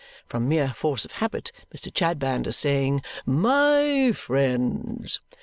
From mere force of habit, Mr. Chadband in saying "My friends!"